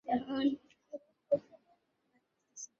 সে স্বর্গ হইতে সাহায্য চায়, এবং সেই সাহায্য সে পায়।